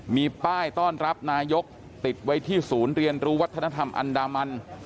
มีป้ายต้อนรับนายกติดไว้ที่ศูนย์เรียนรู้วัฒนธรรมอันดามัน